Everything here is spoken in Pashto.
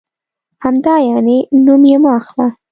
همدا یعنې؟ نوم یې مه اخله.